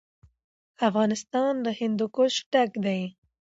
افغانستان له هندوکش ډک دی.